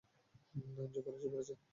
Joker এসে পড়েছে।